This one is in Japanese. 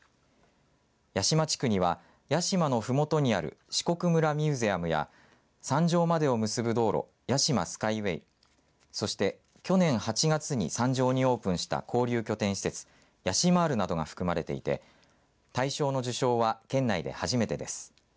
屋島地区には屋島のふもとにある四国村ミウゼアムや山上までを結ぶ道路、屋島スカイウェイそして去年８月に山上にオープンした交流拠点施設やしまーるなどが含まれていて大賞の受賞は県内で初めてです。